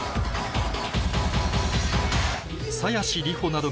など